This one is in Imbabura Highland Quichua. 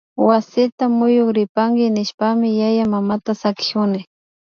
Wasita muyuripanki nishpami yayamamata sakikuni